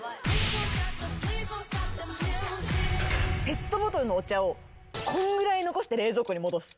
ペットボトルのお茶をこんぐらい残して冷蔵庫に戻す。